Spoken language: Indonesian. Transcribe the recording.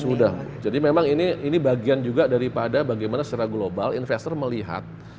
sudah jadi memang ini bagian juga daripada bagaimana secara global investor melihat